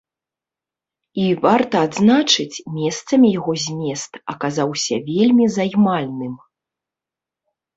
І, варта адзначыць, месцамі яго змест аказаўся вельмі займальным.